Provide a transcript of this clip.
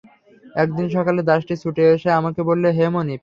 একদিন সকালে দাসটি ছুটে এসে আমাকে বলল, হে মনিব!